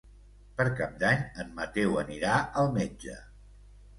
Per Cap d'Any en Mateu anirà al metge.